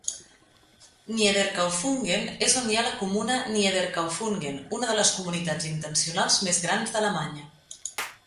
Niederkaufungen és on hi ha la Comuna Niederkaufungen, una de les comunitats intencionals més grans d'Alemanya.